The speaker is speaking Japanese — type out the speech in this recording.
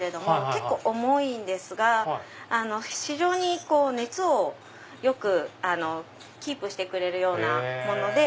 結構重いんですが非常に熱をキープしてくれるもので。